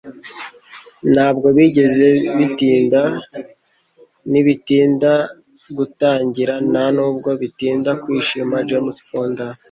Ntabwo bigeze bitinda - ntibitinda gutangira, nta nubwo bitinda kwishima.” - Jane Fonda